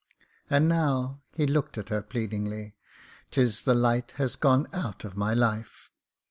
"And now !" He looked at her pleadingly. " 'Tis the light has gone out of my life.